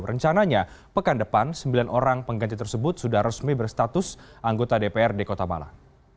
rencananya pekan depan sembilan orang pengganti tersebut sudah resmi berstatus anggota dprd kota malang